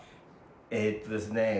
えっとですね